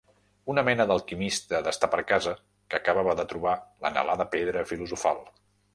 Una mena d'alquimista d'estar per casa que acabava de trobar l'anhelada pedra filosofal.